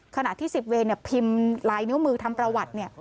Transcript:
ขณะที่๑๐เวรพิมพ์ลายนิ้วมือทำประวัติเนี่ย